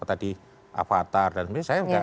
avatar dan sebagainya